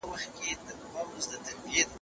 تاسي کله په غونډې کي برخه اخیستې؟